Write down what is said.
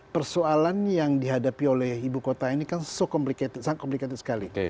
persoalan yang dihadapi oleh ibu kota ini kan so complicated sangat complicated sekali